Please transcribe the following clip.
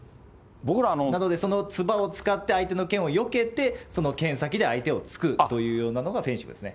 なので、そのつばを使って、相手の剣をよけて、その剣先で相手を突くというようななのがフェンシングですね。